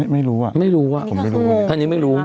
ไม่รู้อะไม่รู้อะอันนี้ไม่รู้